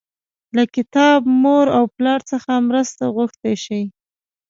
له کتاب، مور او پلار څخه مرسته غوښتی شئ.